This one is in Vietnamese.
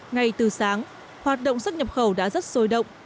ngay từ sáng hoạt động xuất nhập khẩu đã rất sôi động